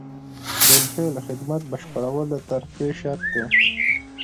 د بالفعل خدمت بشپړول د ترفیع شرط دی.